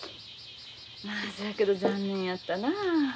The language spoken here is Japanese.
まあそやけど残念やったなあ。